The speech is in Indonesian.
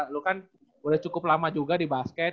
lu kan udah cukup lama juga di basket